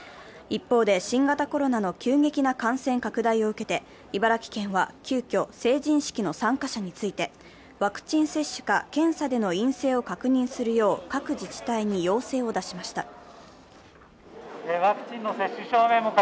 一方で新型コロナの急激な感染拡大を受けて茨城県は急きょ、成人式の参加者についてワクチン接種か、検査での陰性を確認するよう各自治体に要請を出しました。